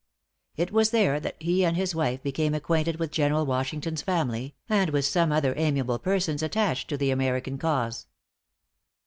It was there that he and his wife became acquainted with General Washington's family, and with some other amiable persons attached to the American cause.